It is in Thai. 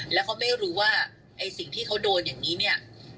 แล้วเขาไม่รู้ว่าไอ้สิ่งที่เขาโดนอย่างนี้เนี่ย